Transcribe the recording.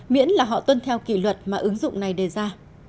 miễn là họ tuân theo kỷ luật mà ứng dụng này đề ra